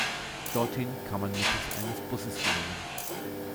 Dorthin kann man mittels eines Busses gelangen.